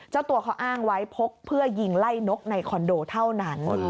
เจ้าตัวเขาอ้างไว้พกเพื่อยิงไล่นกในคอนโดเท่านั้น